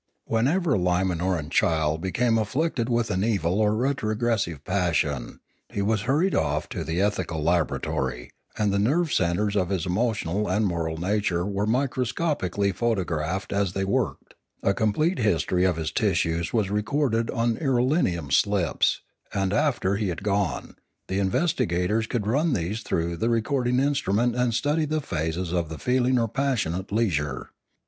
Whenever a Limanoran child became afflicted with an evil or retrogressive passion, he was hurried off to the ethical laboratory, and the nerve centres of his emotional and moral nature were microscopically photographed as they worked; a complete history of his tissues was recorded on irelium slips, and, after he had gone, the investigators could run these through the recording instrument and study the phases of the feeling or passion at leisure.